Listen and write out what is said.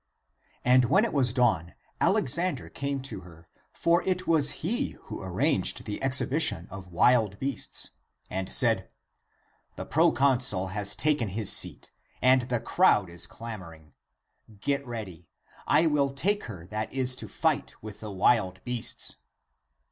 And when it was dawn Alexander came to her, for it was he who arranged the exhibition of wild beasts — and said, " The proconsul has taken his seat, and the crowd is clamoring; get ready, I will take her that is to fight with the wild beasts."